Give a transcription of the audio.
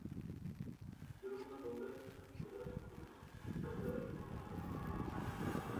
Escribió algunas obras entre las que destaca: "La expedición punitiva".